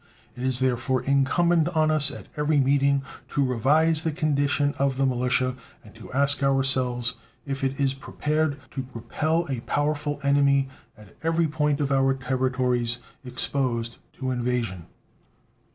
It is therefore incumbent on us at every meeting to revise the condition of the militia, and to ask ourselves if it is prepared to repel a powerful enemy at every point of our territories exposed to invasion.